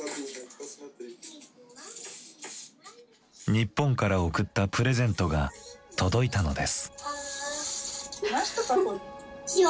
日本から送ったプレゼントが届いたのです。